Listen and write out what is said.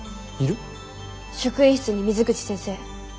職員室に水口先生。